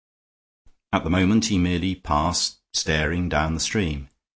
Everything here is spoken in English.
At the moment he merely passed, staring, down the stream.